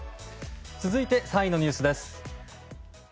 続いて３位のニュースです。